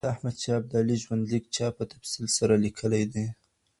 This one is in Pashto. د احمد شاه ابدالي ژوندلیک چا په تفصیل سره لیکلی دی؟